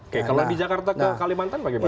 kalau di jakarta ke kalimantan bagaimana